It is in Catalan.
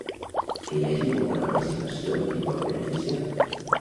Que hi hagi molta participació qui pot beneficiar?